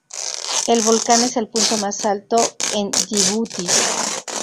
El volcán es el punto más alto en Yibuti.